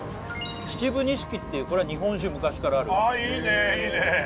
秩父錦っていうこれは日本酒昔からあるああいいねいいねへえ